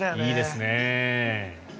いいですね。